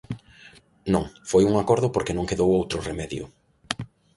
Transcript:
Non, foi un acordo porque non quedou outro remedio.